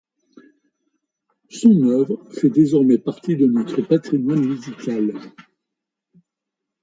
Son œuvre fait désormais partie de notre patrimoine musical.